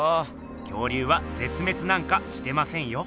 恐竜はぜつめつなんかしてませんよ。